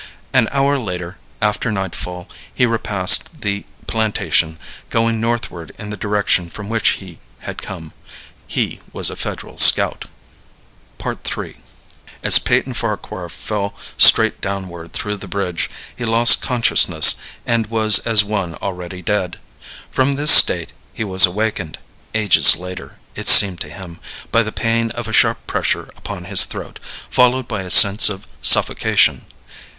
An hour later, after nightfall, he repassed the plantation, going northward in the direction from which he had come. He was a Federal scout. III. As Peyton Farquhar fell straight downward through the bridge he lost consciousness and was as one already dead. From this state he was awakened ages later, it seemed to him by the pain of a sharp pressure upon his throat, followed by a sense of suffocation.